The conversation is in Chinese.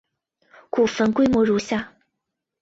古坟规模如下。